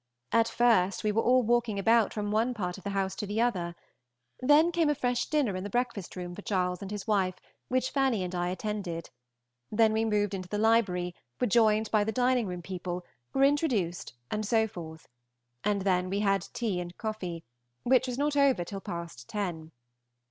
At first we were all walking about from one part of the house to the other; then came a fresh dinner in the breakfast room for Charles and his wife, which Fanny and I attended; then we moved into the library, were joined by the dining room people, were introduced, and so forth; and then we had tea and coffee, which was not over till past ten.